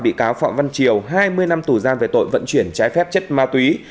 bị cáo phạm văn triều hai mươi năm tù giam về tội vận chuyển trái phép chất ma túy